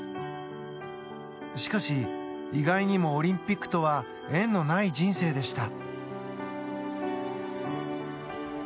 しかし、意外にもオリンピックとは縁のない人生でした。